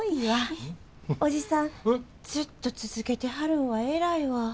おじさんずっと続けてはるんは偉いわ。